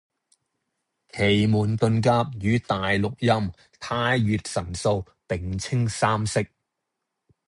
奇門遁甲與大六壬、太乙神數並稱三式。